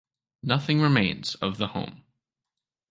Nothing remains of the home.